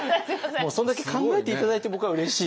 もうそんだけ考えて頂いて僕はうれしい。